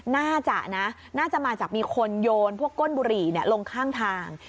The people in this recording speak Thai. น่าจะนะน่าจะมาจากมีคนโยนพวกก้นบุหรี่ลงข้างทาง